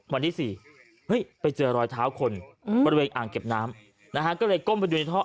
วันที่๔ไปเจอรอยเท้าคนบริเวณอ่างเก็บน้ำนะฮะก็เลยก้มไปดูในท่อ